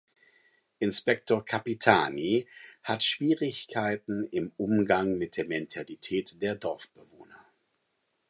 Inspektor Capitani hat Schwierigkeiten im Umgang mit der Mentalität der Dorfbewohner.